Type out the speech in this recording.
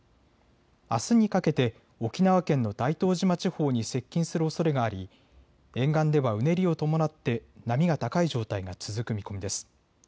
あすにかけて沖縄県の大東島地方に接近するおそれがあり沿岸ではうねりを伴って波が高い状態が続く見込みです。